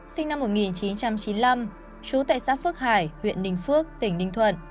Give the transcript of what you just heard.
sinh năm một nghìn chín trăm chín mươi năm trú tại xã phước hải huyện ninh phước tỉnh ninh thuận